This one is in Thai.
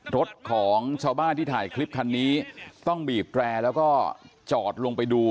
รถของชาวบ้านที่ถ่ายคลิปคันนี้ต้องบีบแร่แล้วก็จอดลงไปดู